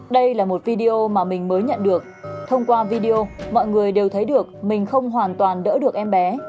đây là một video mà mình mới nhận được thông qua video mọi người đều thấy được mình không hoàn toàn đỡ được em bé